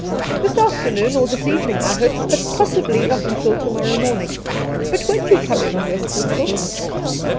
' This afternoon or this evening, I hope ; but possibly not until to morrow morning. But won't you come in and rest a little